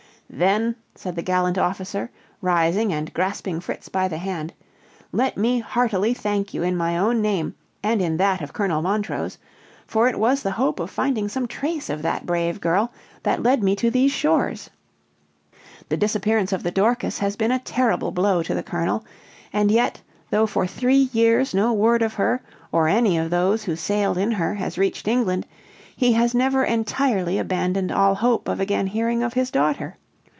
"Then," said the gallant officer, rising and grasping Fritz by the hand, "let me heartily thank you in my own name, and in that of Colonel Montrose; for it was the hope of finding some trace of that brave girl that led me to these shores. The disappearance of the Dorcas has been a terrible blow to the colonel, and yet, though for three years no word of her or any of those who sailed in her has reached England, he has never entirely abandoned all hope of again hearing of his daughter.